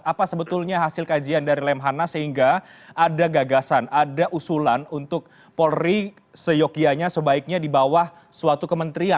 apa sebetulnya hasil kajian dari lemhanas sehingga ada gagasan ada usulan untuk polri seyokianya sebaiknya di bawah suatu kementerian